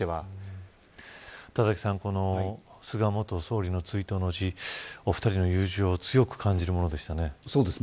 田崎さん、菅元総理の追悼の辞お二人の友情強く感じるものでしたね。